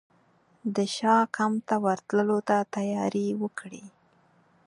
د شاه کمپ ته ورتللو ته تیاري وکړي.